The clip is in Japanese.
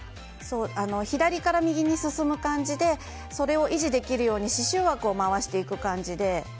左から右に進む感じでそれを維持できるように刺しゅう枠を回していく感じで。